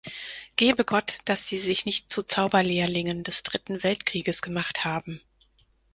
Gebe Gott, dass Sie sich nicht zu Zauberlehrlingen des dritten Weltkrieges gemacht haben!